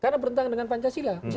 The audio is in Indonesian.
karena bertentangan dengan pancasila